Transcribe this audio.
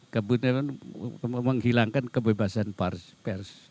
kemudian menghilangkan kebebasan pers